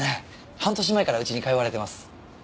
半年前からうちに通われてます。